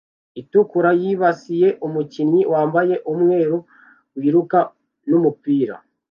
itukura yibasiye umukinnyi wambaye umweru wiruka numupira